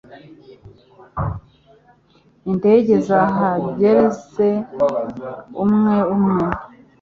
Indege zahageze umwe umwe